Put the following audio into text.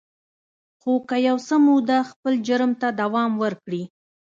خو که یو څه موده خپل جرم ته دوام ورکړي